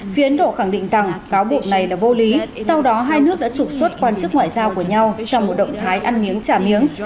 phía ấn độ khẳng định rằng cáo buộc này là vô lý sau đó hai nước đã trục xuất quan chức ngoại giao của nhau trong một động thái ăn miếng trả miếng